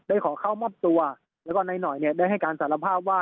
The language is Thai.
ขอเข้ามอบตัวแล้วก็นายหน่อยเนี่ยได้ให้การสารภาพว่า